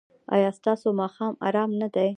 ایا ستاسو ماښام ارام نه دی؟